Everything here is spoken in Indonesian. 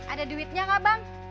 ada duitnya enggak bang